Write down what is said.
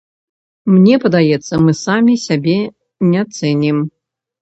Мне падаецца, мы самі сябе не цэнім.